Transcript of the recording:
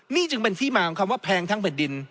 นี่จึงเป็นที่มาของคำว่าแพงทั้งแผ่นดิน